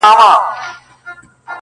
کوټ کوټ دلته کوي، هگۍ بل ځاى اچوي.